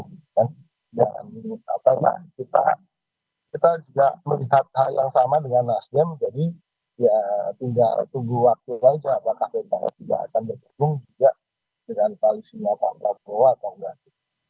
dan kita juga melihat hal yang sama dengan nasdem jadi ya tinggal tunggu waktu saja apakah pkb juga akan bergabung juga dengan koalisi pak prabowo atau enggak